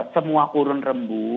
semua kurun rembu